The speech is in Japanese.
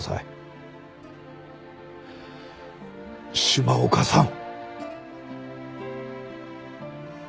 島岡さん！